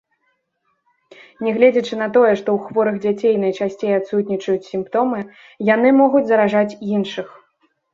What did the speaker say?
Нягледзячы на тое, што ў хворых дзяцей найчасцей адсутнічаюць сімптомы, яны могуць заражаць іншых.